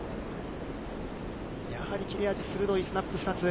やはり切れ味鋭いスナップ２つ。